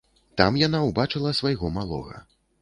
Там яна ўбачыла свайго малога.